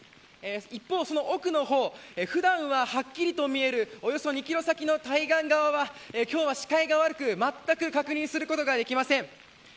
一方、その奥の方普段ははっきりと見えるおよそ２キロ先の対岸側は今日は視界が悪く、まったく確認することができません。